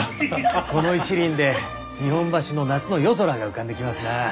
この一輪で日本橋の夏の夜空が浮かんできますな。